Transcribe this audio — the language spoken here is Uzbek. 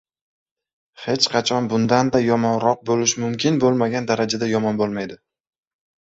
Hech qachon bundan-da yomonroq boʻlishi mumkin boʻlmagan darajada yomon boʻlmaydi.